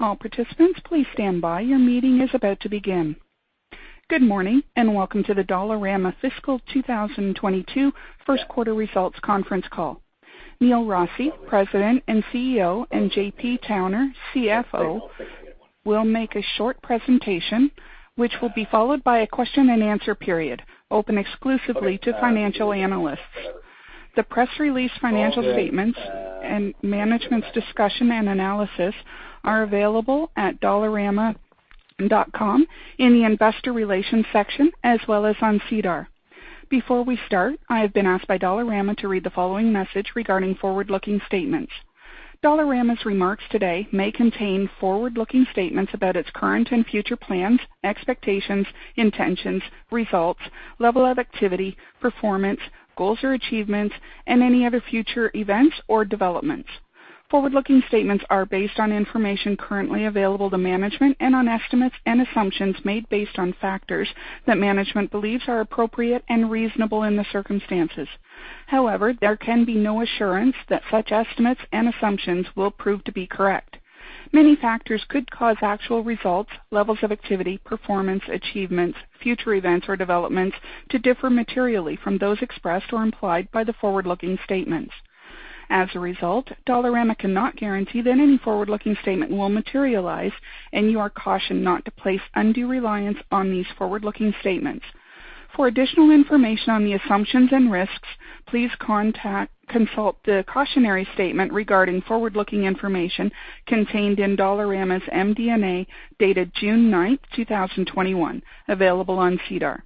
Good morning, and welcome to the Dollarama Fiscal 2022 First Quarter Results Conference Call. Neil Rossy, President and Chief Executive Officer, and JP Towner, Chief Financial Officer, will make a short presentation, which will be followed by a question and answer period open exclusively to financial analysts. The press release financial statements and management's discussion and analysis are available at dollarama.com in the investor relations section, as well as on SEDAR. Before we start, I have been asked by Dollarama to read the following message regarding forward-looking statements. Dollarama's remarks today may contain forward-looking statements about its current and future plans, expectations, intentions, results, level of activity, performance, goals or achievements, and any other future events or developments. Forward-looking statements are based on information currently available to management and on estimates and assumptions made based on factors that management believes are appropriate and reasonable in the circumstances. However, there can be no assurance that such estimates and assumptions will prove to be correct. Many factors could cause actual results, levels of activity, performance, achievements, future events or developments to differ materially from those expressed or implied by the forward-looking statements. As a result, Dollarama cannot guarantee that any forward-looking statement will materialize, and you are cautioned not to place undue reliance on these forward-looking statements. For additional information on the assumptions and risks, please consult the cautionary statement regarding forward-looking information contained in Dollarama's MD&A, dated June 9th, 2021, available on SEDAR.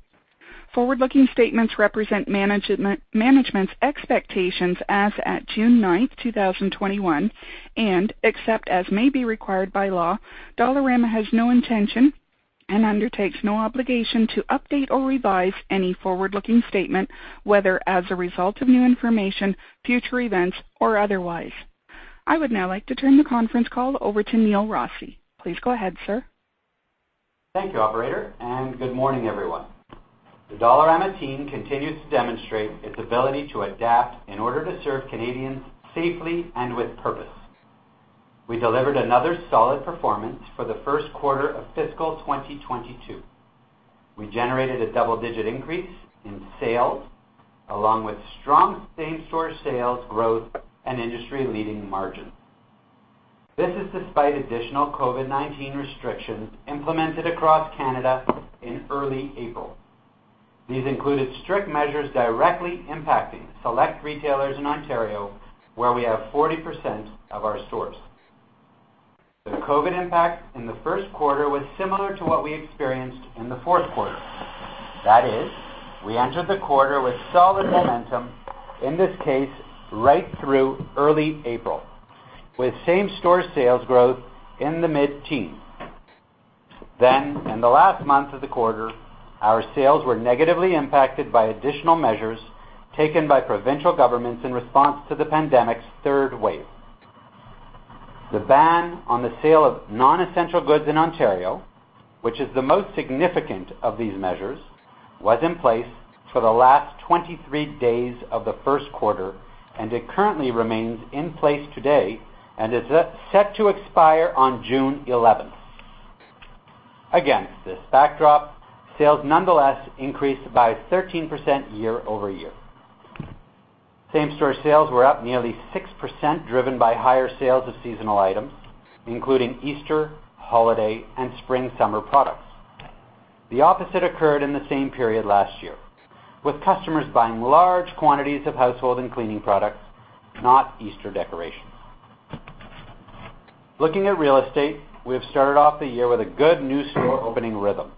Forward-looking statements represent management's expectations as at June 9th, 2021, and except as may be required by law, Dollarama has no intention and undertakes no obligation to update or revise any forward-looking statement, whether as a result of new information, future events, or otherwise. I would now like to turn the conference call over to Neil Rossy. Please go ahead, sir. Thank you, operator. Good morning, everyone. The Dollarama team continues to demonstrate its ability to adapt in order to serve Canadians safely and with purpose. We delivered another solid performance for the first quarter of fiscal 2022. We generated a double-digit increase in sales, along with strong same-store sales growth and industry-leading margins. This is despite additional COVID-19 restrictions implemented across Canada in early April. These included strict measures directly impacting select retailers in Ontario, where we have 40% of our stores. The COVID impact in the first quarter was similar to what we experienced in the fourth quarter. That is, we entered the quarter with solid momentum, in this case, right through early April, with same-store sales growth in the mid-teens. In the last month of the quarter, our sales were negatively impacted by additional measures taken by provincial governments in response to the pandemic's third wave. The ban on the sale of non-essential goods in Ontario, which is the most significant of these measures, was in place for the last 23 days of the first quarter, and it currently remains in place today and is set to expire on June 11th. Against this backdrop, sales nonetheless increased by 13% year-over-year. Same-store sales were up nearly 6%, driven by higher sales of seasonal items, including Easter, holiday, and spring/summer products. The opposite occurred in the same period last year, with customers buying large quantities of household and cleaning products, not Easter decorations. Looking at real estate, we have started off the year with a good new store opening rhythm,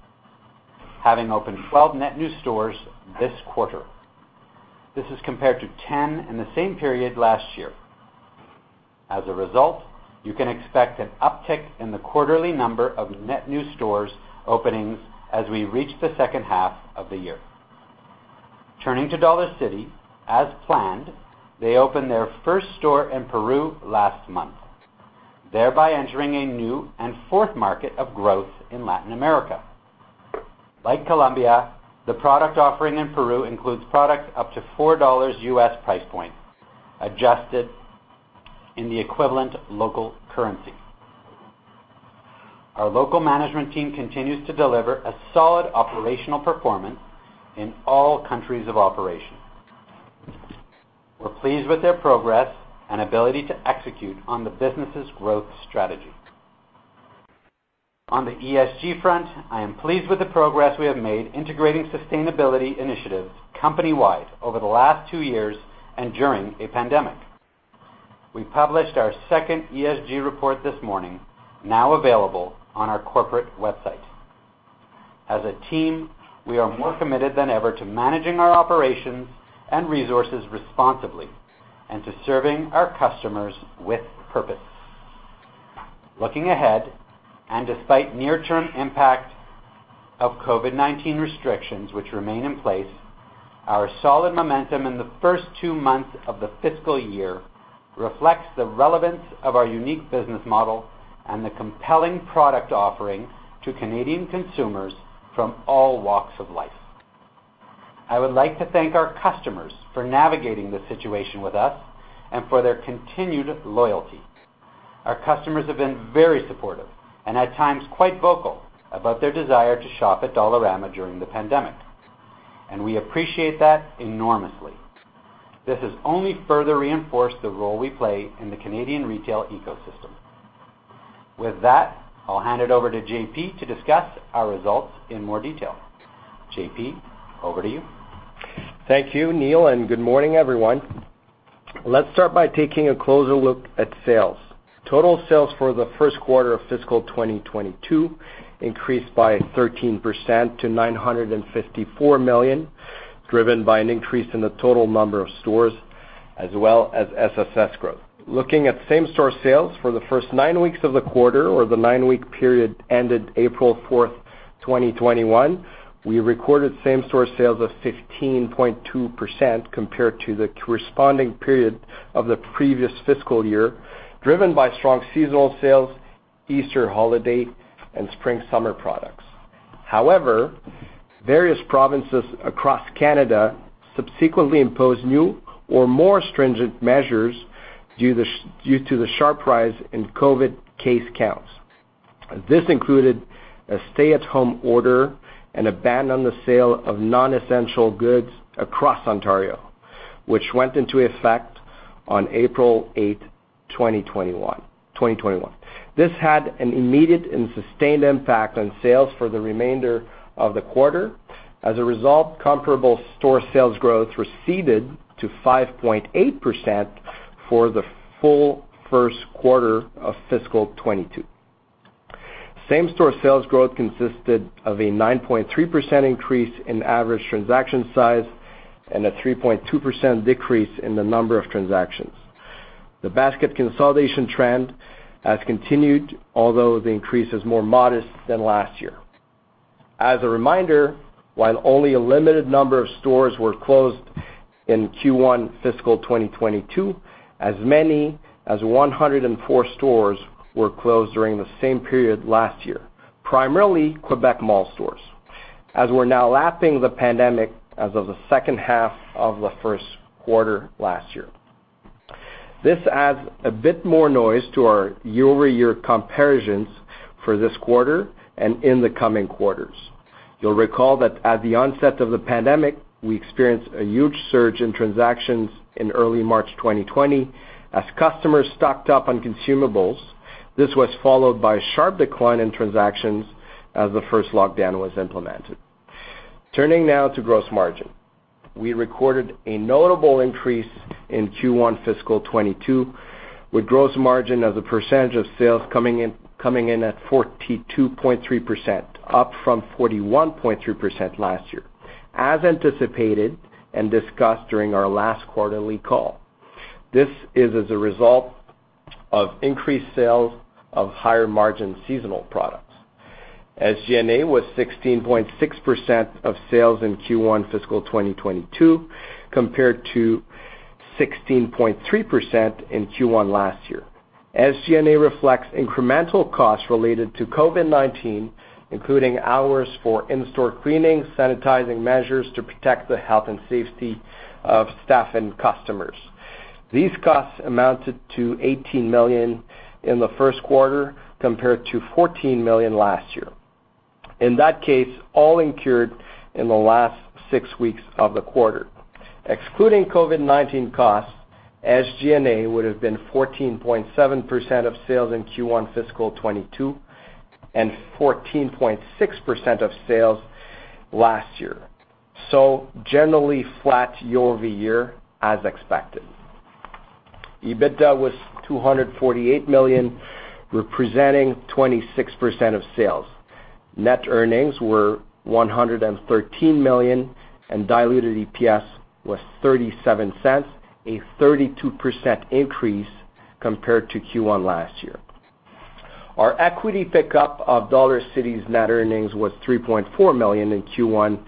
having opened 12 net new stores this quarter. This is compared to 10 in the same period last year. As a result, you can expect an uptick in the quarterly number of net new stores openings as we reach the second half of the year. Turning to Dollarcity, as planned, they opened their first store in Peru last month, thereby entering a new and fourth market of growth in Latin America. Like Colombia, the product offering in Peru includes products up to $4 U.S. price point, adjusted in the equivalent local currency. Our local management team continues to deliver a solid operational performance in all countries of operation. We're pleased with their progress and ability to execute on the business's growth strategy. On the ESG front, I am pleased with the progress we have made integrating sustainability initiatives company-wide over the last two years and during a pandemic. We published our second ESG report this morning, now available on our corporate website. As a team, we are more committed than ever to managing our operations and resources responsibly and to serving our customers with purpose. Looking ahead, and despite near-term impact of COVID-19 restrictions which remain in place, our solid momentum in the first two months of the fiscal year reflects the relevance of our unique business model and the compelling product offering to Canadian consumers from all walks of life. I would like to thank our customers for navigating the situation with us and for their continued loyalty. Our customers have been very supportive and at times quite vocal about their desire to shop at Dollarama during the pandemic, and we appreciate that enormously. This has only further reinforced the role we play in the Canadian retail ecosystem. With that, I'll hand it over to JP to discuss our results in more detail. JP, over to you. Thank you, Neil, and good morning, everyone. Let's start by taking a closer look at sales. Total sales for the first quarter of fiscal 2022 increased by 13% to 954 million, driven by an increase in the total number of stores as well as SSS growth. Looking at same-store sales for the first nine weeks of the quarter or the nine-week period ended April 4, 2021, we recorded same-store sales of 15.2% compared to the corresponding period of the previous fiscal year, driven by strong seasonal sales, Easter holiday, and spring/summer products. Various provinces across Canada subsequently imposed new or more stringent measures due to the sharp rise in COVID case counts. This included a stay-at-home order and a ban on the sale of non-essential goods across Ontario, which went into effect on April 8, 2021. This had an immediate and sustained impact on sales for the remainder of the quarter. As a result, comparable store sales growth receded to 5.8% for the full first quarter of fiscal 2022. Same-store sales growth consisted of a 9.3% increase in average transaction size and a 3.2% decrease in the number of transactions. The basket consolidation trend has continued, although the increase is more modest than last year. As a reminder, while only a limited number of stores were closed in Q1 fiscal 2022, as many as 104 stores were closed during the same period last year, primarily Quebec mall stores, as we're now lapping the pandemic as of the second half of the first quarter last year. This adds a bit more noise to our year-over-year comparisons for this quarter and in the coming quarters. You'll recall that at the onset of the pandemic, we experienced a huge surge in transactions in early March 2020 as customers stocked up on consumables. This was followed by a sharp decline in transactions as the first lockdown was implemented. Turning now to gross margin. We recorded a notable increase in Q1 fiscal 2022, with gross margin as a percentage of sales coming in at 42.3%, up from 41.3% last year, as anticipated and discussed during our last quarterly call. This is as a result of increased sales of higher-margin seasonal products. SG&A was 16.6% of sales in Q1 fiscal 2022, compared to 16.3% in Q1 last year. SG&A reflects incremental costs related to COVID-19, including hours for in-store cleaning, sanitizing measures to protect the health and safety of staff and customers. These costs amounted to 18 million in the first quarter, compared to 14 million last year. In that case, all incurred in the last six weeks of the quarter. Excluding COVID-19 costs, SG&A would have been 14.7% of sales in Q1 fiscal 2022 and 14.6% of sales last year. Generally flat year-over-year, as expected. EBITDA was 248 million, representing 26% of sales. Net earnings were 113 million and diluted EPS was 0.37, a 32% increase compared to Q1 last year. Our equity pickup of Dollarcity's net earnings was 3.4 million in Q1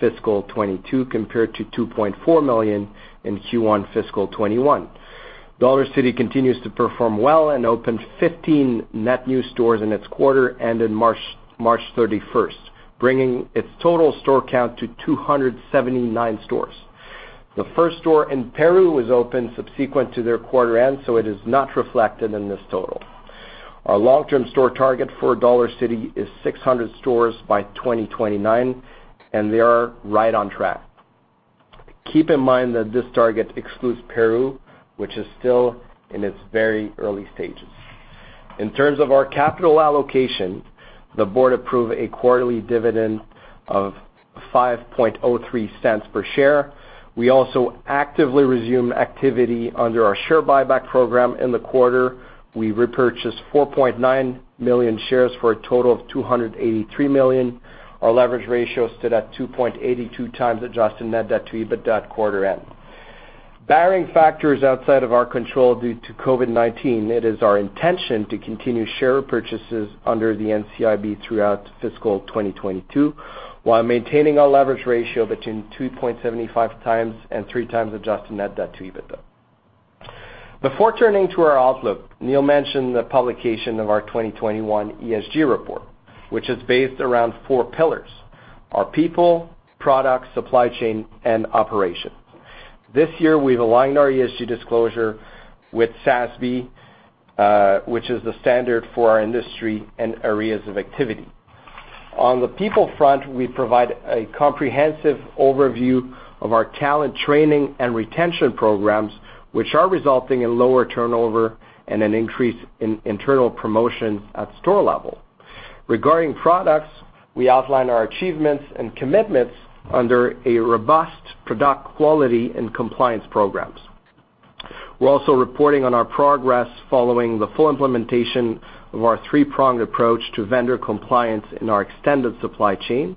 fiscal 2022, compared to 2.4 million in Q1 fiscal 2021. Dollarcity continues to perform well and opened 15 net new stores in its quarter, ending March 31st, bringing its total store count to 279 stores. The first store in Peru was opened subsequent to their quarter end, so it is not reflected in this total. Our long-term store target for Dollarcity is 600 stores by 2029, and they are right on track. Keep in mind that this target excludes Peru, which is still in its very early stages. In terms of our capital allocation, the board approved a quarterly dividend of 0.0503 per share. We also actively resumed activity under our share buyback program in the quarter. We repurchased 4.9 million shares for a total of 283 million. Our leverage ratio stood at 2.82x adjusted net debt to EBITDA at quarter end. Barring factors outside of our control due to COVID-19, it is our intention to continue share purchases under the NCIB throughout fiscal 2022, while maintaining our leverage ratio between 2.75 times and three times adjusted net debt to EBITDA. Before turning to our outlook, Neil mentioned the publication of our 2021 ESG report, which is based around four pillars: our people, product, supply chain, and operations. This year, we've aligned our ESG disclosure with SASB, which is the standard for our industry and areas of activity. On the people front, we provide a comprehensive overview of our talent training and retention programs, which are resulting in lower turnover and an increase in internal promotions at store level. Regarding products, we outline our achievements and commitments under a robust product quality and compliance programs. We're also reporting on our progress following the full implementation of our three-pronged approach to vendor compliance in our extended supply chain.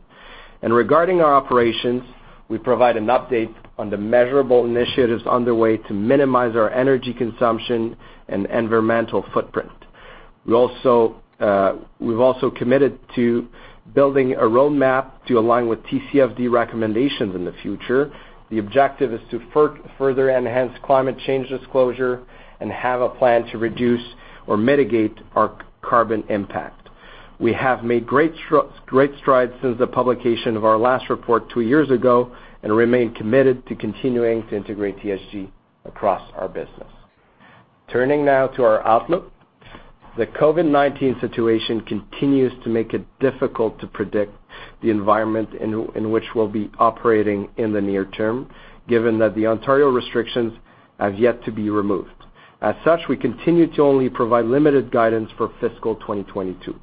Regarding our operations, we provide an update on the measurable initiatives underway to minimize our energy consumption and environmental footprint. We've also committed to building a roadmap to align with TCFD recommendations in the future. The objective is to further enhance climate change disclosure and have a plan to reduce or mitigate our carbon impact. We have made great strides since the publication of our last report two years ago, and remain committed to continuing to integrate ESG across our business. Turning now to our outlook. The COVID-19 situation continues to make it difficult to predict the environment in which we'll be operating in the near term, given that the Ontario restrictions have yet to be removed. As such, we continue to only provide limited guidance for fiscal 2022.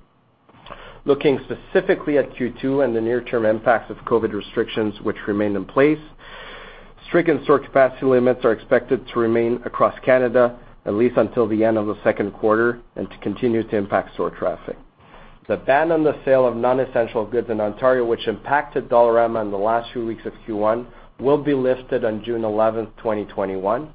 Looking specifically at Q2 and the near-term impacts of COVID-19 restrictions which remain in place, strict and store capacity limits are expected to remain across Canada at least until the end of the second quarter and to continue to impact store traffic. The ban on the sale of non-essential goods in Ontario, which impacted Dollarama in the last few weeks of Q1, will be lifted on June 11th, 2021.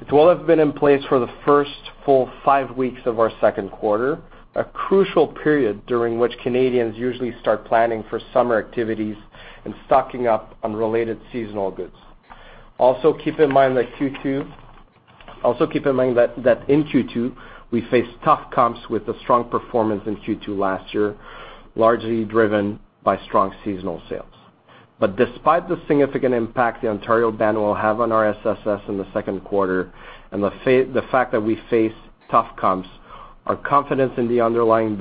It will have been in place for the first full five weeks of our second quarter, a crucial period during which Canadians usually start planning for summer activities and stocking up on related seasonal goods. Also keep in mind that in Q2, we face tough comps with a strong performance in Q2 last year, largely driven by strong seasonal sales. Despite the significant impact the Ontario ban will have on our SSS in the second quarter, and the fact that we face tough comps, our confidence in the underlying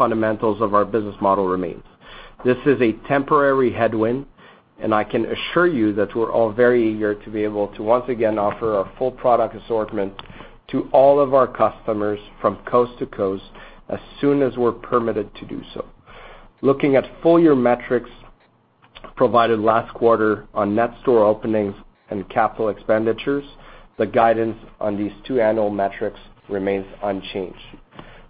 fundamentals of our business model remains. This is a temporary headwind, and I can assure you that we're all very eager to be able to once again offer our full product assortment to all of our customers from coast to coast as soon as we're permitted to do so. Looking at full-year metrics provided last quarter on net store openings and capital expenditures, the guidance on these two annual metrics remains unchanged.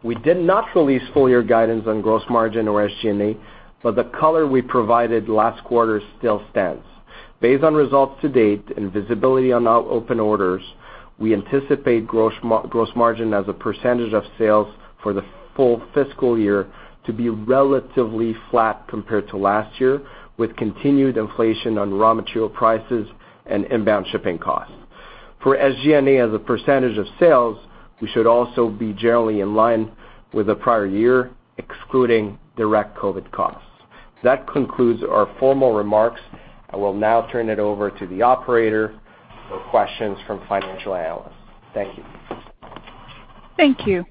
We did not release full-year guidance on gross margin or SG&A, but the color we provided last quarter still stands. Based on results to date and visibility on open orders, we anticipate gross margin as a percentage of sales for the full fiscal year to be relatively flat compared to last year, with continued inflation on raw material prices and inbound shipping costs. For SG&A as a % of sales, we should also be generally in line with the prior year, excluding direct COVID-19 costs. That concludes our formal remarks. I will now turn it over to the operator for questions from financial analysts. Thank you. Thank you.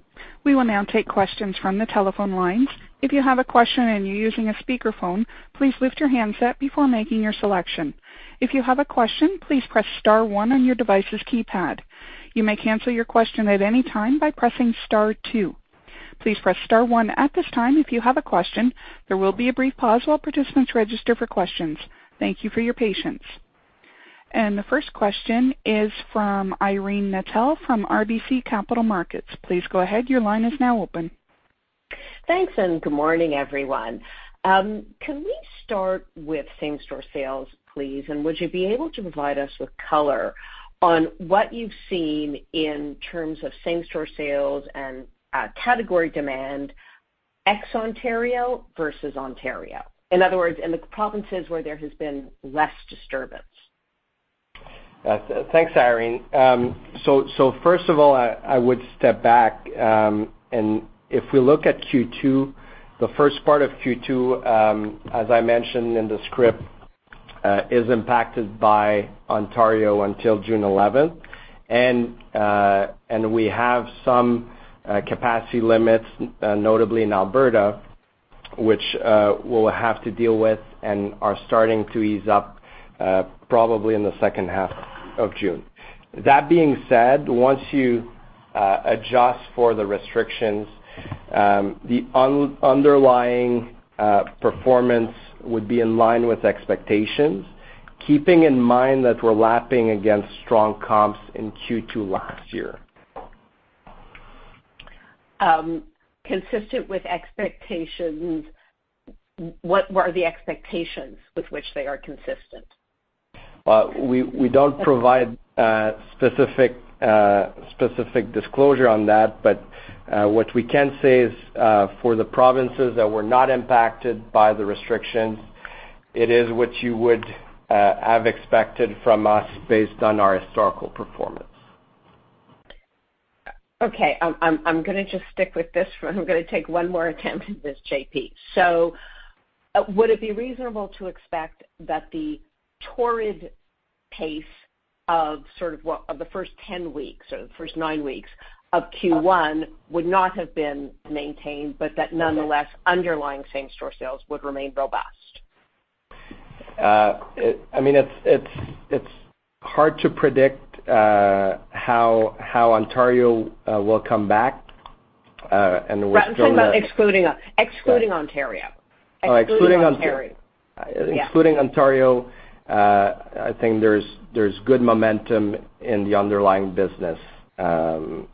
We will now take questions from the telephone lines. If you have a question and you're using a speakerphone, please lift your handset before making your selection. If you have a question, please press star one on your device's keypad. You may cancel your question at any time by pressing star two. Please press star one at this time if you have a question. There will be a brief pause while participants register for questions. Thank you for your patience. The first question is from Irene Nattel from RBC Capital Markets. Please go ahead, your line is now open. Thanks, and good morning, everyone. Can we start with same-store sales, please? Would you be able to provide us with color on what you've seen in terms of same-store sales and category demand ex Ontario versus Ontario? In other words, in the provinces where there has been less disturbance. Thanks, Irene. First of all, I would step back, and if we look at Q2, the first part of Q2, as I mentioned in the script, is impacted by Ontario until June 11th. We have some capacity limits, notably in Alberta, which we'll have to deal with and are starting to ease up probably in the second half of June. That being said, once you adjust for the restrictions, the underlying performance would be in line with expectations, keeping in mind that we're lapping against strong comps in Q2 last year. Consistent with expectations, what are the expectations with which they are consistent? We don't provide specific disclosure on that, but what we can say is for the provinces that were not impacted by the restrictions. It is what you would have expected from us based on our historical performance. Okay. I'm going to just stick with this one. I'm going to take one more attempt at this, JP. Would it be reasonable to expect that the torrid pace of sort of what the first 10 weeks or the first nine weeks of Q1 would not have been maintained, but that nonetheless, underlying same-store sales would remain robust? It's hard to predict how Ontario will come back. That's about excluding Ontario. Excluding Ontario. Yeah excluding Ontario, I think there's good momentum in the underlying business, and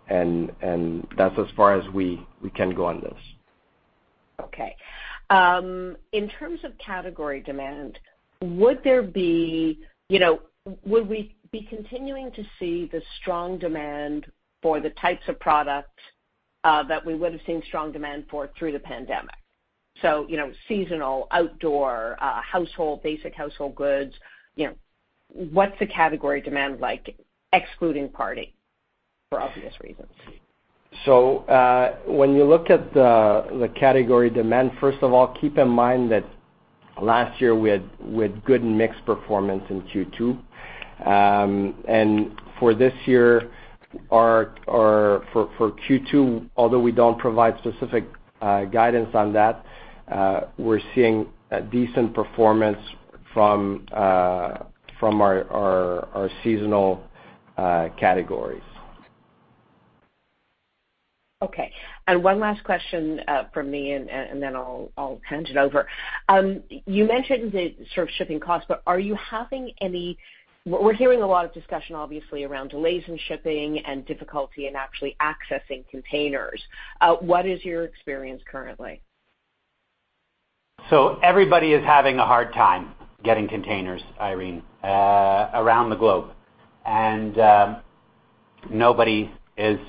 that's as far as we can go on this. Okay. In terms of category demand, would we be continuing to see the strong demand for the types of products that we would've seen strong demand for through the pandemic, seasonal, outdoor, basic household goods? What's the category demand like excluding party, for obvious reasons? When you look at the category demand, first of all, keep in mind that last year we had good mix performance in Q2. For this year, for Q2, although we don't provide specific guidance on that, we are seeing a decent performance from our seasonal categories. Okay. One last question from me, and then I'll turn it over. You mentioned the shipping costs, we're hearing a lot of discussion obviously around delays in shipping and difficulty in actually accessing containers. What is your experience currently? Everybody is having a hard time getting containers, Irene, around the globe, and nobody is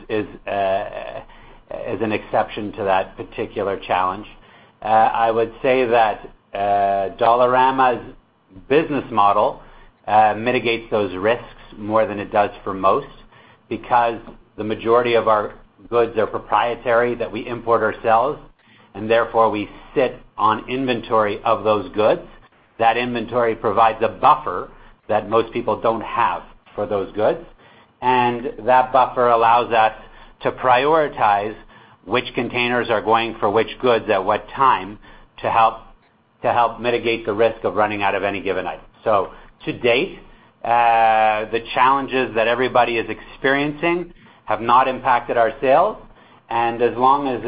an exception to that particular challenge. I would say that Dollarama's business model mitigates those risks more than it does for most, because the majority of our goods are proprietary that we import ourselves, and therefore we sit on inventory of those goods. That inventory provides a buffer that most people don't have for those goods. That buffer allows us to prioritize which containers are going for which goods at what time to help mitigate the risk of running out of any given item. To date, the challenges that everybody is experiencing have not impacted our sales, and as long as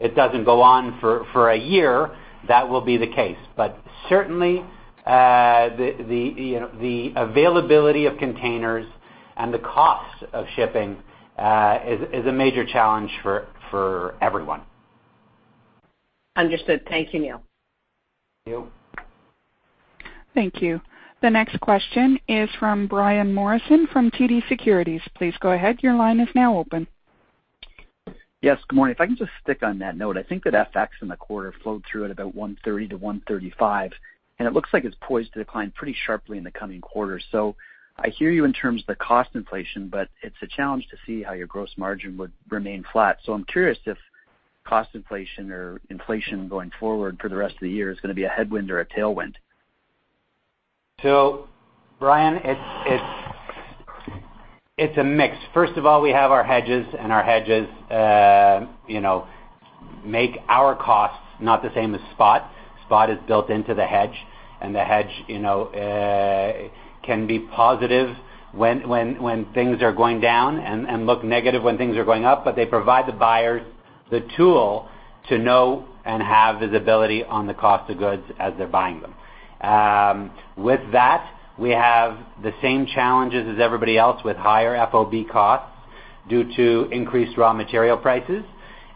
it doesn't go on for a year, that will be the case. Certainly, the availability of containers and the cost of shipping is a major challenge for everyone. Understood. Thank you, Neil. Thank you. Thank you. The next question is from Brian Morrison from TD Securities. Yes, good morning. If I can just stick on that note, I think that FX in the quarter flowed through at about 130-135, and it looks like it's poised to decline pretty sharply in the coming quarter. I hear you in terms of the cost inflation, but it's a challenge to see how your gross margin would remain flat. I'm curious if cost inflation or inflation going forward for the rest of the year is going to be a headwind or a tailwind. Brian, it's a mix. First of all, we have our hedges, and our hedges make our costs not the same as spot. Spot is built into the hedge, and the hedge can be positive when things are going down and look negative when things are going up, but they provide the buyers the tool to know and have visibility on the cost of goods as they're buying them. With that, we have the same challenges as everybody else with higher FOB costs due to increased raw material prices.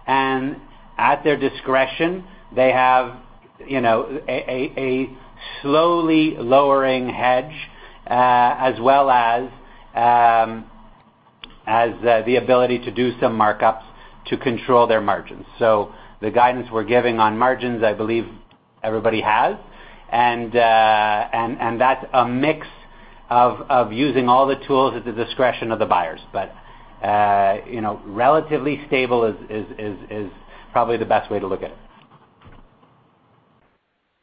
At their discretion, they have a slowly lowering hedge, as well as the ability to do some markups to control their margins. The guidance we're giving on margins, I believe everybody has, and that's a mix of using all the tools at the discretion of the buyers. Relatively stable is probably the best way to look at it.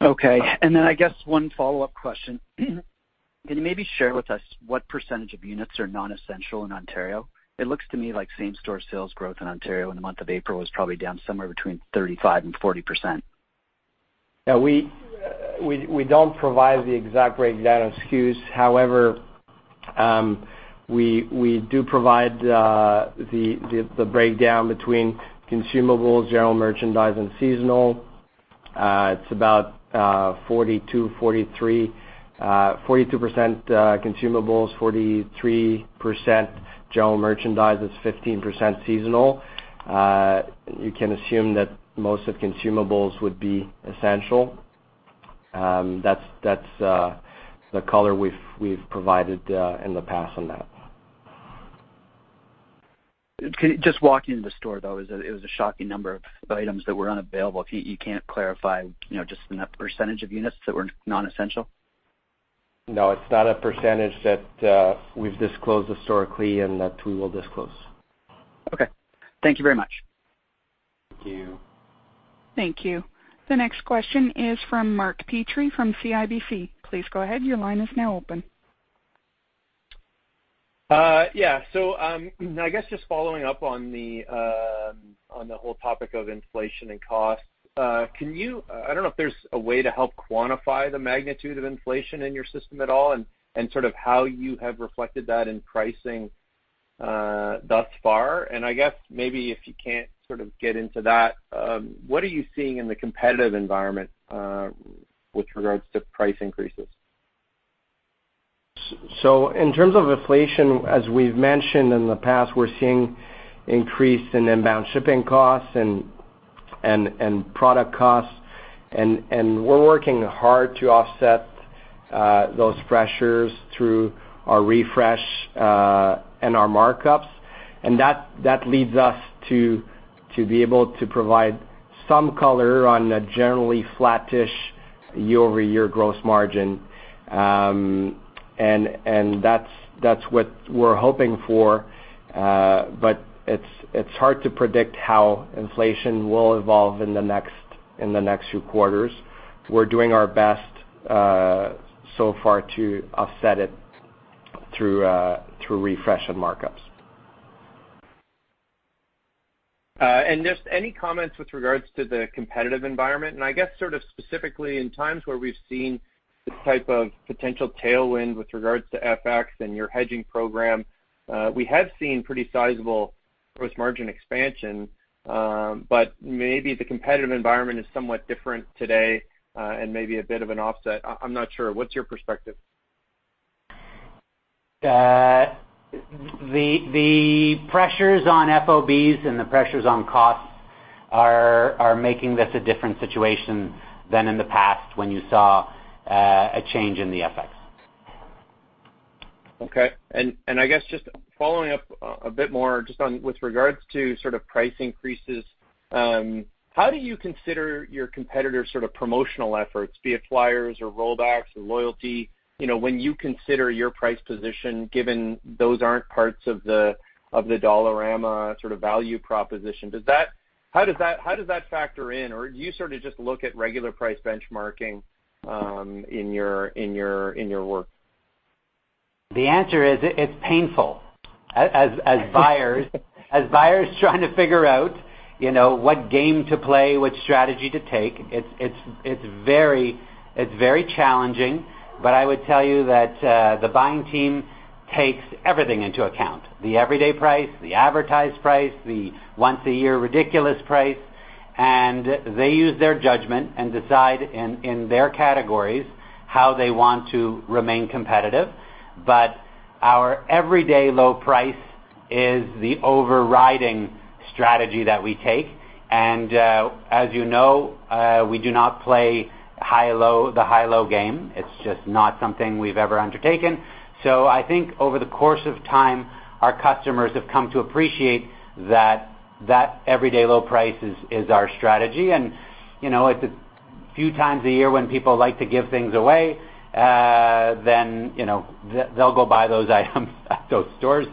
Okay. I guess one follow-up question. Can you maybe share with us what percentage of units are non-essential in Ontario? It looks to me like same-store sales growth in Ontario in the month of April was probably down somewhere between 35% and 40%. Yeah, we don't provide the exact breakdown, SKUs. However, we do provide the breakdown between consumables, general merchandise, and seasonal. It's about 42%, consumables, 43% general merchandise, that's 15% seasonal. You can assume that most of consumables would be essential. That's the color we've provided in the past on that. Walking into the store, though, it was a shocking number of items that were unavailable. You can't clarify just in a percentage of units that were non-essential? No, it's not a percentage that we've disclosed historically and that we will disclose. Okay. Thank you very much. Thank you. Thank you. The next question is from Mark Petrie from CIBC. Please go ahead. Your line is now open. I guess just following up on the whole topic of inflation and costs, I don't know if there's a way to help quantify the magnitude of inflation in your system at all and sort of how you have reflected that in pricing thus far, and I guess maybe if you can't sort of get into that, what are you seeing in the competitive environment with regards to price increases? In terms of inflation, as we've mentioned in the past, we're seeing increase in inbound shipping costs and product costs, and we're working hard to offset those pressures through our refresh and our markups. That leads us to be able to provide some color on a generally flattish year-over-year gross margin. That's what we're hoping for, but it's hard to predict how inflation will evolve in the next few quarters. We're doing our best so far to offset it through refresh and markups. Just any comments with regards to the competitive environment, and I guess sort of specifically in times where we've seen this type of potential tailwind with regards to FX and your hedging program. We have seen pretty sizable gross margin expansion, but maybe the competitive environment is somewhat different today and maybe a bit of an offset. I'm not sure. What's your perspective? The pressures on FOBs and the pressures on costs are making this a different situation than in the past when you saw a change in the FX. Okay. I guess just following up a bit more just with regards to sort of price increases, how do you consider your competitors' sort of promotional efforts, be it flyers or rollbacks or loyalty, when you consider your price position, given those aren't parts of the Dollarama sort of value proposition? How does that factor in, or you sort of just look at regular price benchmarking in your work? The answer is it's painful as buyers trying to figure out what game to play, what strategy to take. It's very challenging. I would tell you that the buying team takes everything into account, the everyday price, the advertised price, the once-a-year ridiculous price. They use their judgment and decide in their categories how they want to remain competitive. Our everyday low price is the overriding strategy that we take. As you know, we do not play the high-low game. It's just not something we've ever undertaken. I think over the course of time, our customers have come to appreciate that everyday low price is our strategy. If a few times a year when people like to give things away, they'll go buy those items at those stores.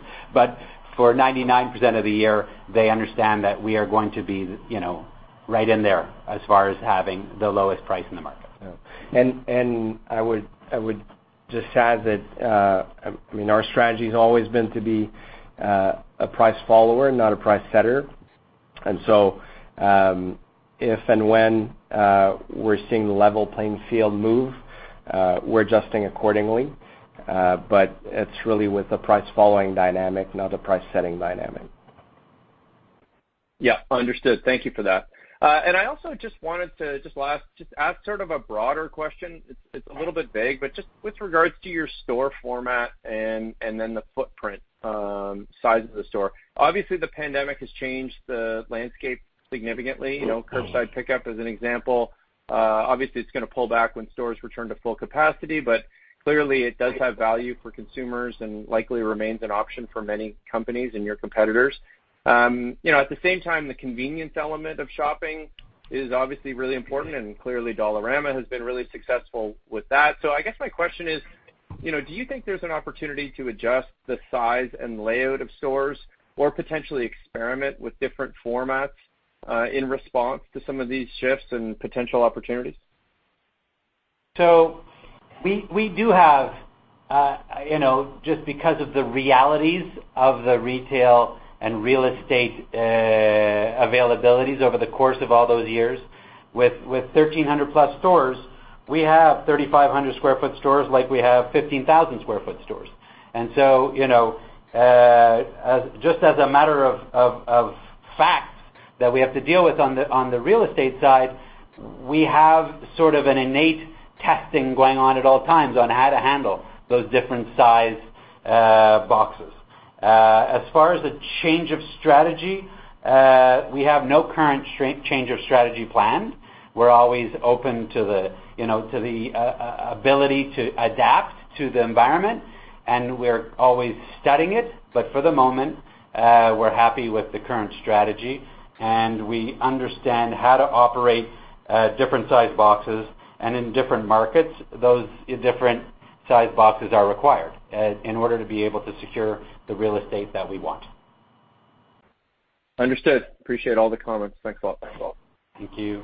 For 99% of the year, they understand that we are going to be right in there as far as having the lowest price in the market. Yeah. I would just add that our strategy has always been to be a price follower, not a price setter. If and when we're seeing the level playing field move, we're adjusting accordingly. It's really with the price-following dynamic, not a price-setting dynamic. Yeah, understood. Thank you for that. I also just wanted to just ask sort of a broader question. It's a little bit vague, but just with regards to your store format and then the footprint size of the store. Obviously, the pandemic has changed the landscape significantly. You know, curbside pickup, as an example. Obviously, it's going to pull back when stores return to full capacity, but clearly it does have value for consumers and likely remains an option for many companies and your competitors. At the same time, the convenience element of shopping is obviously really important, and clearly Dollarama has been really successful with that. I guess my question is, do you think there's an opportunity to adjust the size and layout of stores or potentially experiment with different formats in response to some of these shifts and potential opportunities? We do have, just because of the realities of the retail and real estate availabilities over the course of all those years with 1,300 plus stores, we have 3,500 sq ft stores like we have 15,000 sq ft stores. Just as a matter of facts that we have to deal with on the real estate side, we have sort of an innate testing going on at all times on how to handle those different size boxes. As far as a change of strategy, we have no current change of strategy planned. We're always open to the ability to adapt to the environment, and we're always studying it. For the moment, we're happy with the current strategy. We understand how to operate different size boxes. In different markets, those different size boxes are required in order to be able to secure the real estate that we want. Understood. Appreciate all the comments. Thanks a lot. Thank you.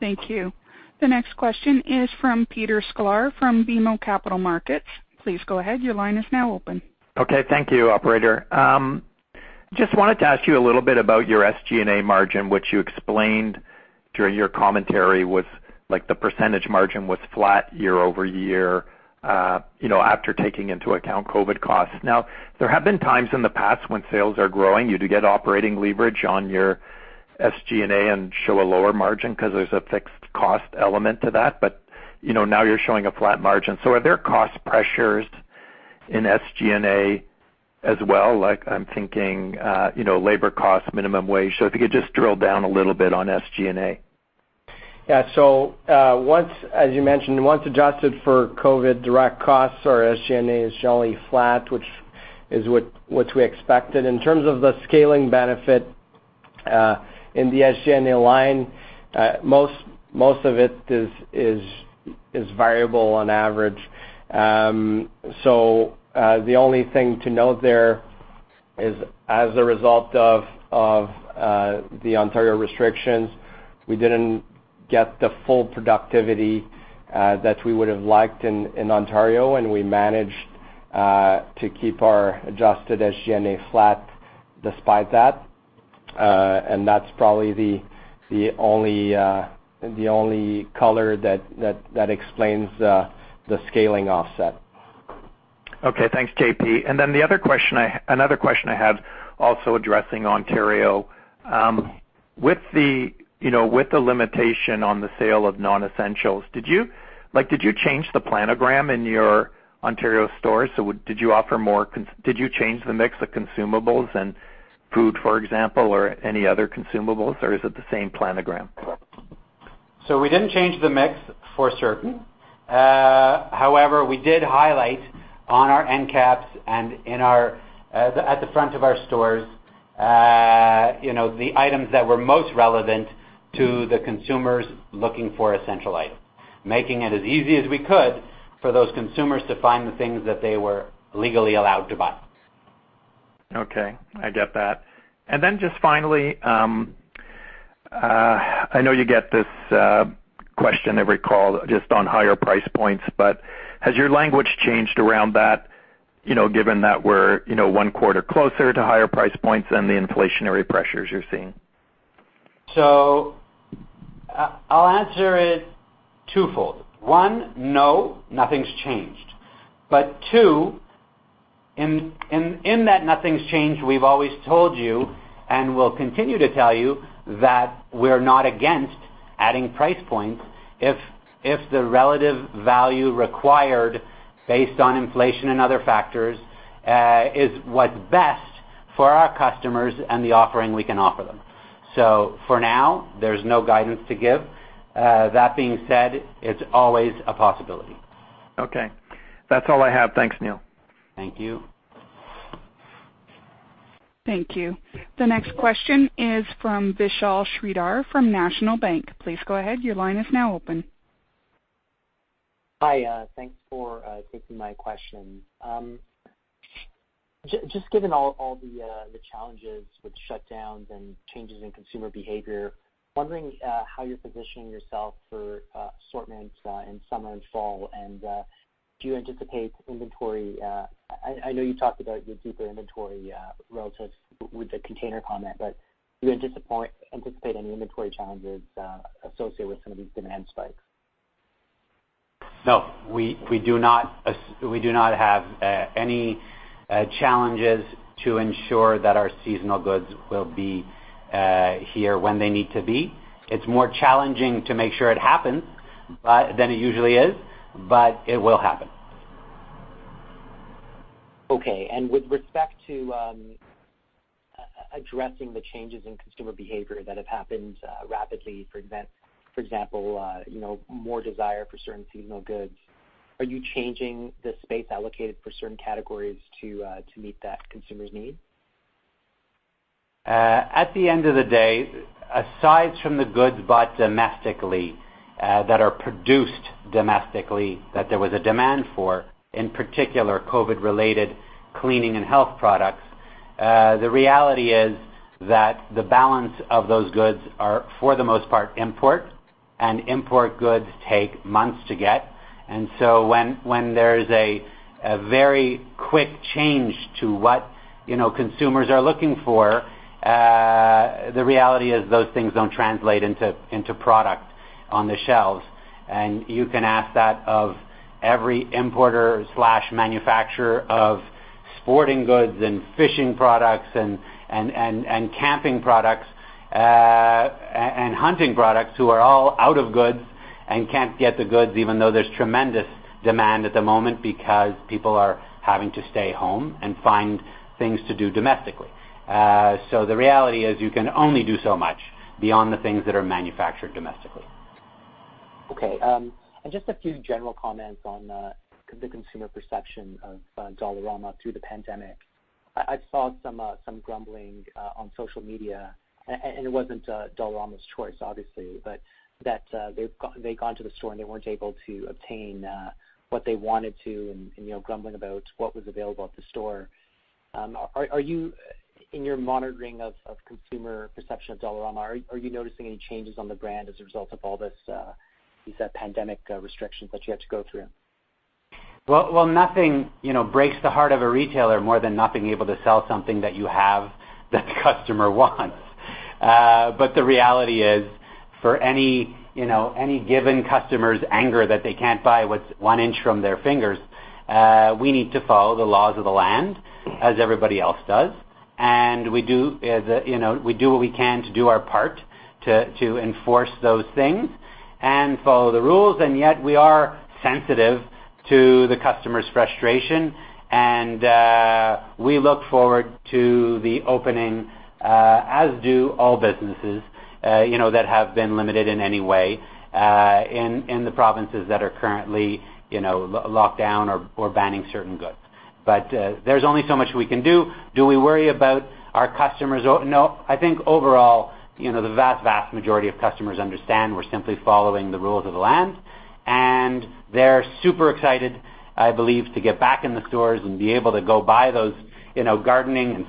Thank you. The next question is from Peter Sklar from BMO Capital Markets. Please go ahead. Your line is now open. Okay. Thank you, operator. Just wanted to ask you a little bit about your SG&A margin, which you explained during your commentary was, the percentage margin was flat year-over-year after taking into account COVID costs. There have been times in the past when sales are growing, you do get operating leverage on your SG&A and show a lower margin because there's a fixed cost element to that. Now you're showing a flat margin. Are there cost pressures in SG&A as well? I'm thinking labor costs, minimum wage. If you could just drill down a little bit on SG&A. As you mentioned, once adjusted for COVID direct costs, our SG&A is generally flat, which is what we expected. In terms of the scaling benefit in the SG&A line, most of it is variable on average. The only thing to note there is as a result of the Ontario restrictions, we didn't get the full productivity that we would have liked in Ontario, and we managed to keep our adjusted SG&A flat despite that. That's probably the only color that explains the scaling offset. Okay. Thanks, JP. another question I had also addressing Ontario. With the limitation on the sale of non-essentials, did you change the planogram in your Ontario stores? did you change the mix of consumables and food, for example, or any other consumables, or is it the same planogram? We didn't change the mix for certain. However, we did highlight on our end caps and at the front of our stores, the items that were most relevant to the consumers looking for essential items, making it as easy as we could for those consumers to find the things that they were legally allowed to buy. Okay. I get that. Just finally, I know you get this question every call just on higher price points, but has your language changed around that given that we're one quarter closer to higher price points and the inflationary pressures you're seeing? I'll answer it twofold. One, no, nothing's changed. But two, in that nothing's changed, we've always told you, and we'll continue to tell you, that we're not against adding price points if the relative value required, based on inflation and other factors, is what's best for our customers and the offering we can offer them. For now, there's no guidance to give. That being said, it's always a possibility. Okay. That's all I have. Thanks, Neil. Thank you. Thank you. The next question is from Vishal Shreedhar from National Bank. Please go ahead. Hi. Thanks for taking my questions. Given all the challenges with shutdowns and changes in consumer behavior, wondering how you're positioning yourself for assortments in summer and fall. I know you talked about your deeper inventory with the container comment, but do you anticipate any inventory challenges associated with some of these demand spikes? No, we do not have any challenges to ensure that our seasonal goods will be here when they need to be. It's more challenging to make sure it happens than it usually is, but it will happen. Okay. With respect to addressing the changes in consumer behavior that have happened rapidly, for example more desire for certain seasonal goods, are you changing the space allocated for certain categories to meet that consumer's need? At the end of the day, aside from the goods bought domestically, that are produced domestically, that there was a demand for, in particular, COVID-related cleaning and health products, the reality is that the balance of those goods are, for the most part, imports, and import goods take months to get. When there's a very quick change to what consumers are looking for, the reality is those things don't translate into products on the shelves. You can ask that of every importer/manufacturer of sporting goods and fishing products and camping products and hunting products who are all out of goods and can't get the goods even though there's tremendous demand at the moment because people are having to stay home and find things to do domestically. The reality is you can only do so much beyond the things that are manufactured domestically. Okay. Just a few general comments on the consumer perception of Dollarama through the pandemic. I saw some grumbling on social media, and it wasn't Dollarama's choice, obviously, but that they've gone to the store and they weren't able to obtain what they wanted to, and grumbling about what was available at the store. In your monitoring of consumer perception of Dollarama, are you noticing any changes on the brand as a result of all these pandemic restrictions that you have to go through? Well, nothing breaks the heart of a retailer more than not being able to sell something that you have that the customer wants. The reality is, for any given customer's anger that they can't buy what's one inch from their fingers, we need to follow the laws of the land as everybody else does. We do what we can to do our part to enforce those things and follow the rules. Yet we are sensitive to the customer's frustration, and we look forward to the opening, as do all businesses that have been limited in any way in the provinces that are currently locked down or banning certain goods. There's only so much we can do. Do we worry about our customers? No. I think overall, the vast majority of customers understand we're simply following the rules of the land. They're super excited, I believe, to get back in the stores and be able to go buy those gardening and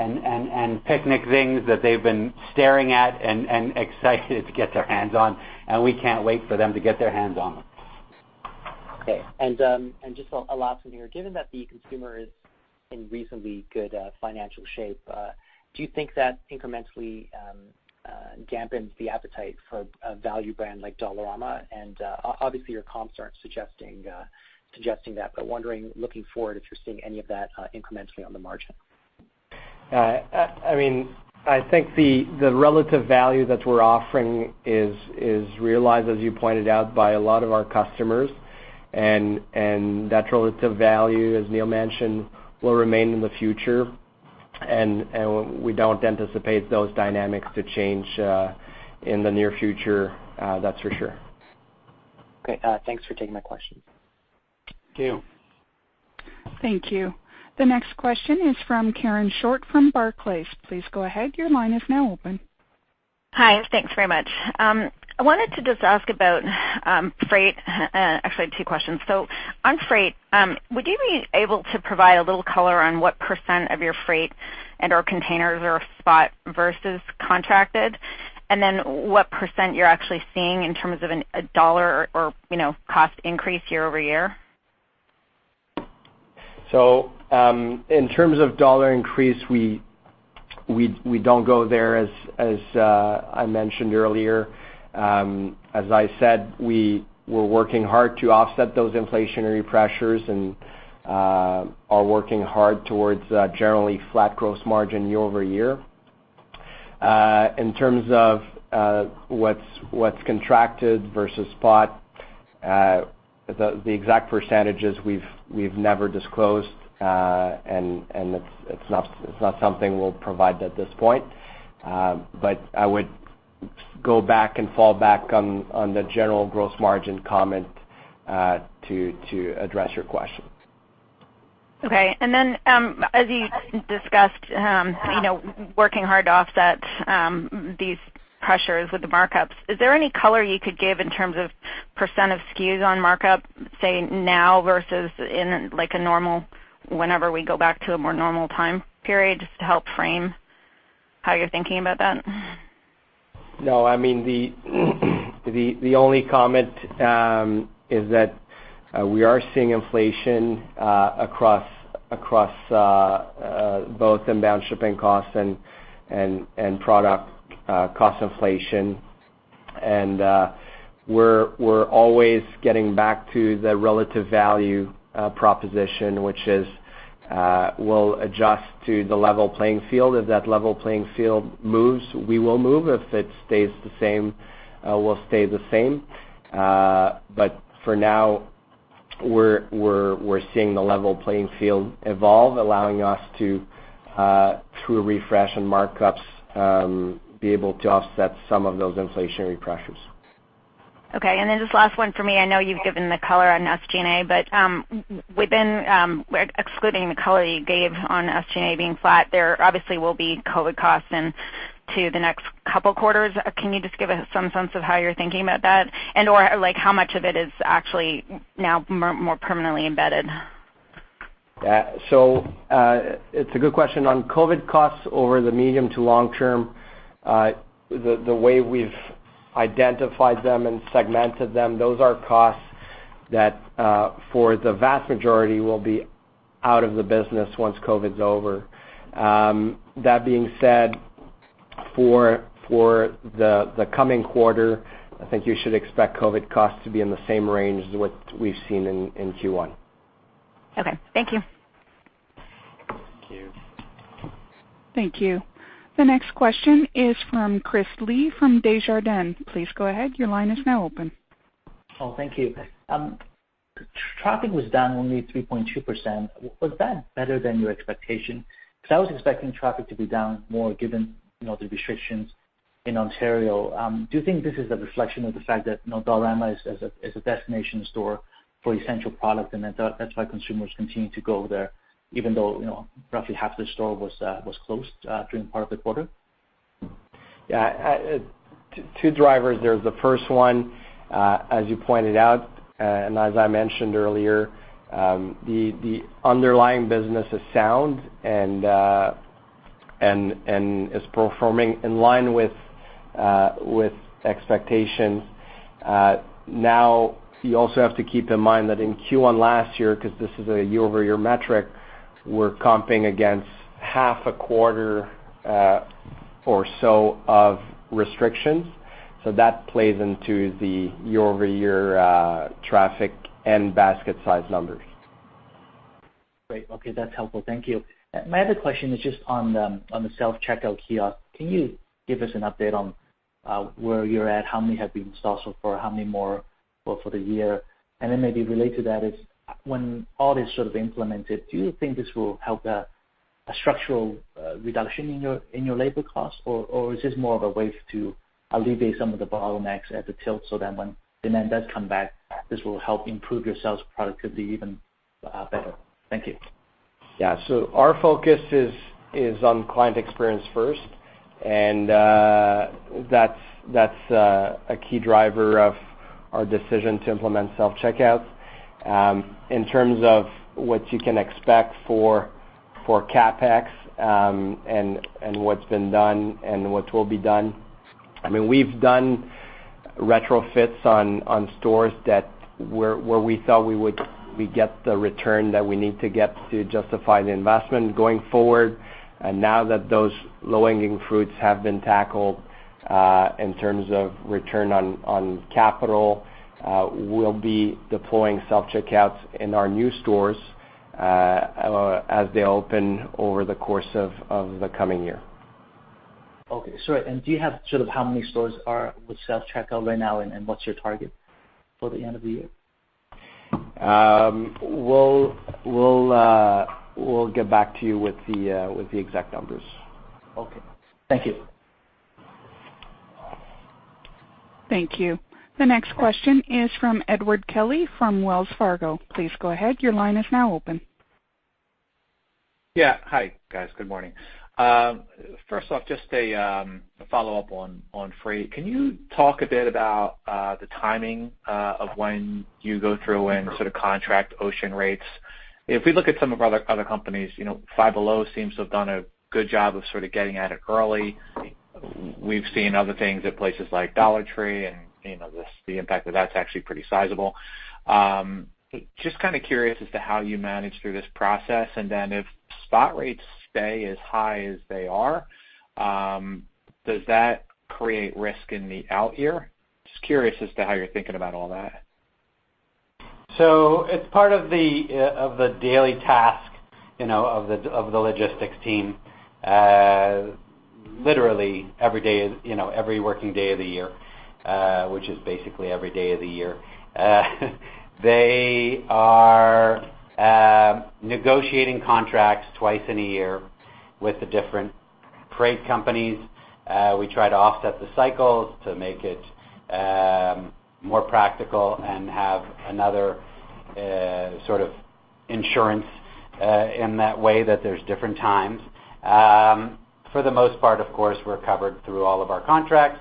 summer and picnic things that they've been staring at and excited to get their hands on. We can't wait for them to get their hands on them. Okay. Just a last one here. Given that the consumer is in reasonably good financial shape, do you think that incrementally dampens the appetite for a value brand like Dollarama? Obviously, your comp starts suggesting that, but looking forward, if you're seeing any of that incrementally on the margin. I think the relative value that we're offering is realized, as you pointed out, by a lot of our customers. That relative value, as Neil mentioned, will remain in the future, and we don't anticipate those dynamics to change in the near future, that's for sure. Great. Thanks for taking my question. Thank you. Thank you. The next question is from Karen Short from Barclays. Please go ahead. Your line is now open. Hi, thanks very much. I wanted to just ask about freight, actually two questions. On freight, would you be able to provide a little color on what percent of your freight and/or containers are spot versus contracted, and then what percent you're actually seeing in terms of a dollar or cost increase year over year? In terms of dollar increase, we don't go there, as I mentioned earlier. As I said, we're working hard to offset those inflationary pressures and are working hard towards a generally flat gross margin year-over-year. In terms of what's contracted versus spot, the exact percentages we've never disclosed, and it's not something we'll provide at this point. I would go back and fall back on the general gross margin comment to address your question. Okay. As you discussed, working hard to offset these pressures with the markups, is there any color you could give in terms of percent of SKUs on markup, say now versus whenever we go back to a more normal time period, just to help frame how you're thinking about that? No, the only comment is that we are seeing inflation across both inbound shipping costs and product cost inflation. We're always getting back to the relative value proposition, which is we'll adjust to the level playing field. If that level playing field moves, we will move. If it stays the same, we'll stay the same. For now, we're seeing the level playing field evolve, allowing us to, through a refresh in markups, be able to offset some of those inflationary pressures. Okay. Just last one for me. I know you've given the color on SG&A, excluding the color you gave on SG&A being flat, there obviously will be COVID costs into the next couple quarters. Can you just give us some sense of how you're thinking about that, and/or how much of it is actually now more permanently embedded? It's a good question. On COVID costs over the medium to long term, the way we've identified them and segmented them, those are costs that for the vast majority will be out of the business once COVID's over. That being said, for the coming quarter, I think you should expect COVID costs to be in the same range as what we've seen in Q1. Okay, thank you. Thank you. Thank you. The next question is from Chris Li from Desjardins. Please go ahead. Oh, thank you. Traffic was down only 3.2%. Was that better than your expectation? I was expecting traffic to be down more given the restrictions in Ontario. Do you think this is a reflection of the fact that Dollarama is a destination store for essential products, and that's why consumers continue to go there even though roughly half the store was closed during part of the quarter? Yeah. Two drivers there. The first one, as you pointed out, and as I mentioned earlier, the underlying business is sound and is performing in line with expectations. You also have to keep in mind that in Q1 last year, because this is a year-over-year metric, we're comping against half a quarter or so of restrictions. That plays into the year-over-year traffic and basket size numbers. Great. Okay. That's helpful. Thank you. My other question is just on the self-checkout kiosk. Can you give us an update on where you're at, how many have been installed so far, how many more for the year? Then maybe related to that is, when all this sort of implemented, do you think this will help a structural reduction in your labor cost, or is this more of a way to alleviate some of the bottlenecks at the till, so that when demand does come back, this will help improve your sales productivity even better? Thank you. Our focus is on client experience first, and that's a key driver of our decision to implement self-checkouts. In terms of what you can expect for CapEx, and what's been done and what will be done, we've done retrofits on stores that where we felt we'd get the return that we need to get to justify the investment going forward. Now that those low-hanging fruits have been tackled, in terms of return on capital, we'll be deploying self-checkouts in our new stores as they open over the course of the coming year. Okay. Sorry, do you have how many stores are with self-checkout right now, and what's your target for the end of the year? We'll get back to you with the exact numbers. Okay. Thank you. Thank you. The next question is from Edward Kelly from Wells Fargo. Please go ahead. Yeah. Hi, guys. Good morning. First off, just a follow-up on freight. Can you talk a bit about the timing of when you go through and sort of contract ocean rates? If we look at some of our other companies, Five Below seems to have done a good job of sort of getting at it early. We've seen other things at places like Dollar Tree. The impact of that's actually pretty sizable. Just kind of curious as to how you manage through this process. If spot rates stay as high as they are, does that create risk in the out year? Just curious as to how you're thinking about all that. It's part of the daily task of the logistics team, literally every working day of the year, which is basically every day of the year. They are negotiating contracts twice in a year with the different freight companies. We try to offset the cycles to make it more practical and have another sort of insurance in that way that there's different times. For the most part, of course, we're covered through all of our contracts.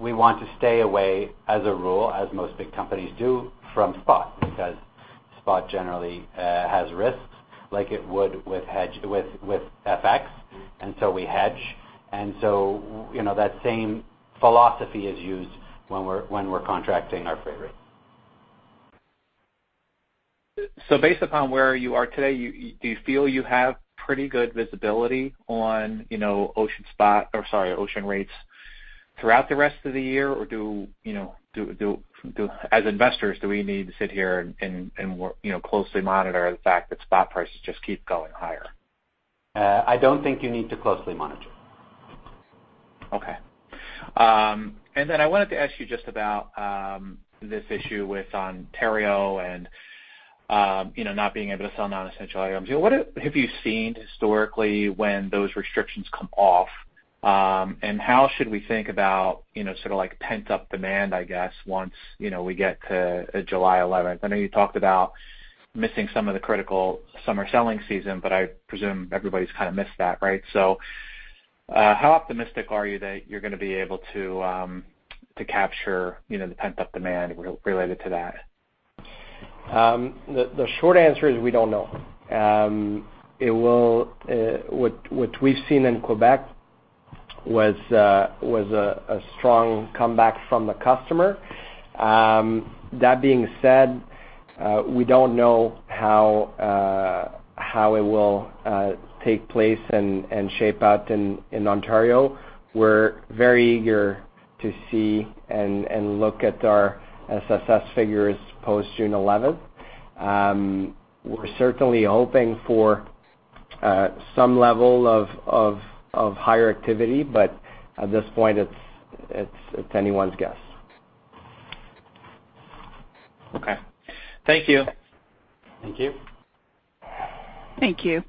We want to stay away, as a rule, as most big companies do, from spot, because spot generally has risks like it would with FX, and so we hedge. That same philosophy is used when we're contracting our freight rates. Based upon where you are today, do you feel you have pretty good visibility on ocean rates throughout the rest of the year, or do, as investors, we need to sit here and closely monitor the fact that spot prices just keep going higher? I don't think you need to closely monitor. I wanted to ask you just about this issue with Ontario and not being able to sell non-essential items. What have you seen historically when those restrictions come off, and how should we think about pent-up demand, I guess, once we get to July 11th? I know you talked about missing some of the critical summer selling season, but I presume everybody's kind of missed that, right? How optimistic are you that you're going to be able to capture the pent-up demand related to that? The short answer is we don't know. What we've seen in Quebec was a strong comeback from the customer. That being said, we don't know how it will take place and shape out in Ontario. We're very eager to see and look at our SSS figures post June 11th. We're certainly hoping for Some level of higher activity, but at this point, it's anyone's guess. Okay. Thank you. Thank you. Thank you.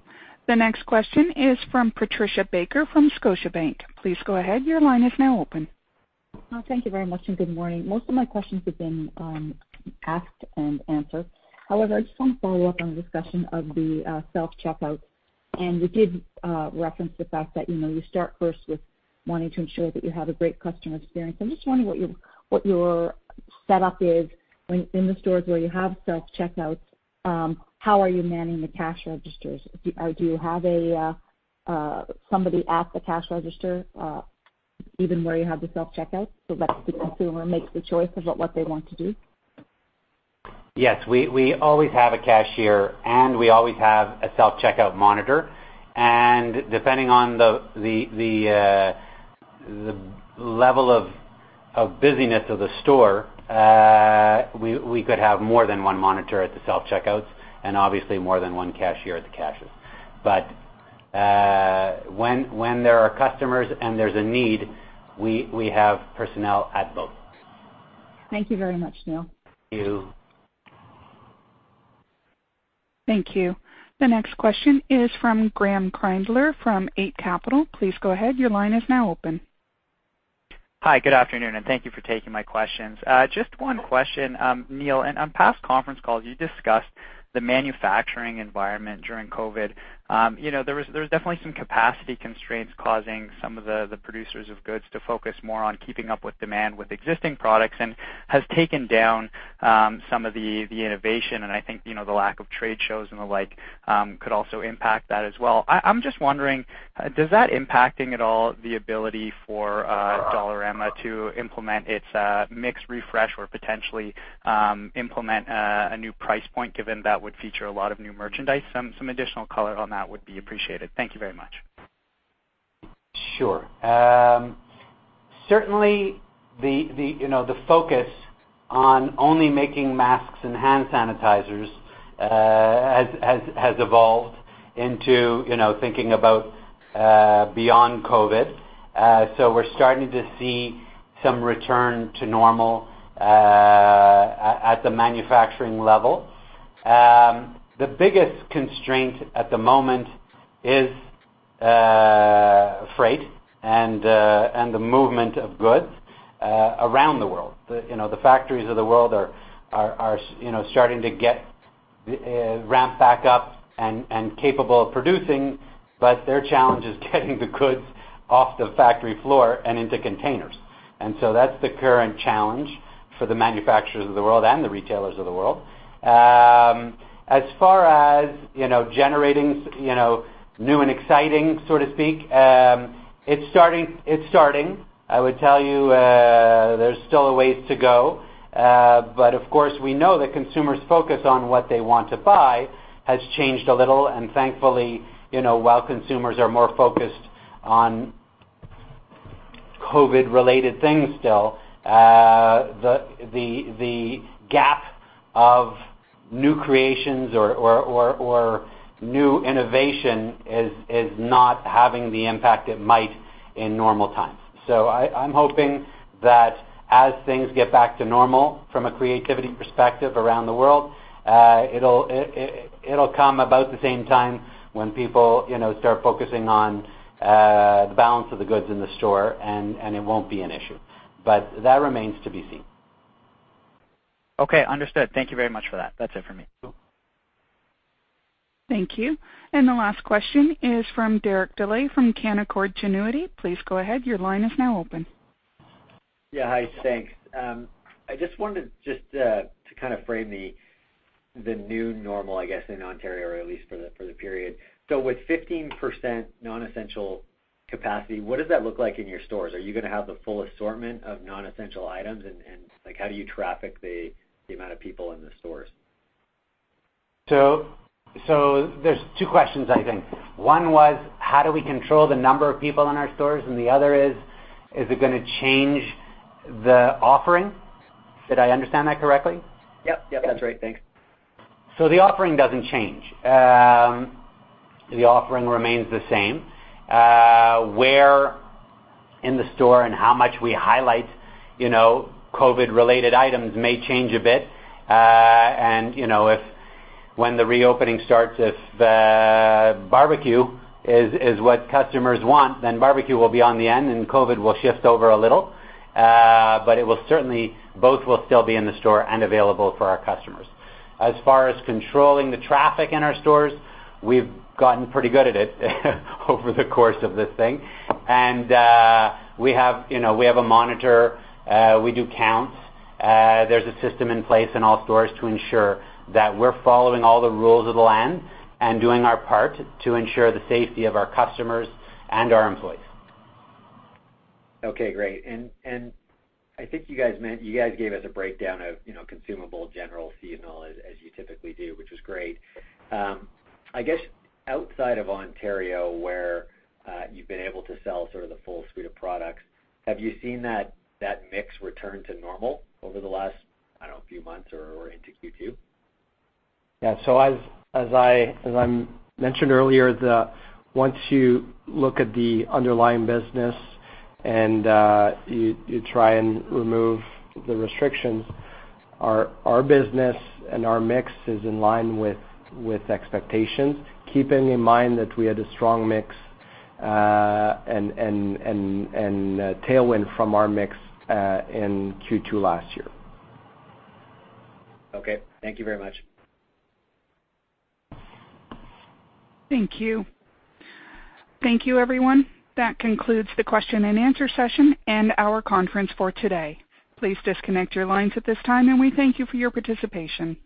The next question is from Patricia Baker from Scotiabank. Please go ahead. Your line is now open. Thank you very much, and good morning. Most of my questions have been asked and answered. However, I just want to follow up on the discussion of the self-checkouts. You did reference the fact that you start first with wanting to ensure that you have a great customer experience. I'm just wondering what your setup is in the stores where you have self-checkouts. How are you manning the cash registers? Do you have somebody at the cash register even where you have the self-checkouts so that the consumer makes the choice about what they want to do? Yes. We always have a cashier, and we always have a self-checkout monitor. Depending on the level of busyness of the store, we could have more than one monitor at the self-checkouts and obviously more than one cashier at the cashiers. When there are customers and there's a need, we have personnel at both. Thank you very much, Neil. Thank you. Thank you. The next question is from Graeme Kreindler from Eight Capital. Please go ahead. Your line is now open. Hi, good afternoon. Thank you for taking my questions. Just one question, Neil. In past conference calls, you discussed the manufacturing environment during COVID. There's definitely some capacity constraints causing some of the producers of goods to focus more on keeping up with demand with existing products and has taken down some of the innovation. I think, the lack of trade shows and the like could also impact that as well. I'm just wondering, does that impact at all the ability for Dollarama to implement its mix refresh or potentially implement a new price point, given that would feature a lot of new merchandise? Some additional color on that would be appreciated. Thank you very much. Sure. Certainly, the focus on only making masks and hand sanitizers has evolved into thinking about beyond COVID-19. We're starting to see some return to normal at the manufacturing level. The biggest constraint at the moment is freight and the movement of goods around the world. The factories of the world are starting to ramp back up and capable of producing, but their challenge is getting the goods off the factory floor and into containers. That's the current challenge for the manufacturers of the world and the retailers of the world. As far as generating new and exciting, so to speak, it's starting. I would tell you there's still a ways to go. Of course, we know that consumers' focus on what they want to buy has changed a little, and thankfully, while consumers are more focused on COVID-related things still, the gap of new creations or new innovation is not having the impact it might in normal times. I'm hoping that as things get back to normal from a creativity perspective around the world, it'll come about the same time when people start focusing on the balance of the goods in the store and it won't be an issue. That remains to be seen. Okay, understood. Thank you very much for that. That's it for me. Cool. Thank you. The last question is from Derek Dley from Canaccord Genuity. Please go ahead. Yeah, hi, thanks. I just wanted to frame the new normal, I guess, in Ontario, at least for the period. With 15% non-essential capacity, what does that look like in your stores? Are you going to have the full assortment of non-essential items? How do you traffic the amount of people in the stores? There's two questions, I think. One was, how do we control the number of people in our stores, and the other is it going to change the offering? Did I understand that correctly? Yep, that's right. Thanks. The offering doesn't change. The offering remains the same. Where in the store and how much we highlight COVID-related items may change a bit. When the reopening starts, if the barbecue is what customers want, then barbecue will be on the end, and COVID will shift over a little. Certainly, both will still be in the store and available for our customers. As far as controlling the traffic in our stores, we've gotten pretty good at it over the course of this thing. We have a monitor. We do counts. There's a system in place in all stores to ensure that we're following all the rules of the land and doing our part to ensure the safety of our customers and our employees. I think you guys gave us a breakdown of consumables general seasonal as you typically do, which is great. I guess outside of Ontario, where you've been able to sell sort of the full suite of products, have you seen that mix return to normal over the last, I don't know, few months or into Q2? Yeah. As I mentioned earlier, once you look at the underlying business and you try and remove the restrictions, our business and our mix is in line with expectations, keeping in mind that we had a strong mix and tailwind from our mix in Q2 last year. Okay. Thank you very much. Thank you. Thank you, everyone. That concludes the question and answer session and our conference for today. Please disconnect your lines at this time, and we thank you for your participation.